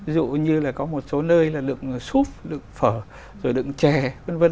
ví dụ như là có một số nơi là đựng súp đựng phở rồi đựng chè v v